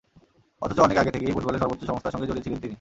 অথচ, অনেক আগে থেকেই ফুটবলের সর্বোচ্চ সংস্থার সঙ্গে জড়িয়ে ছিলেন তিনি।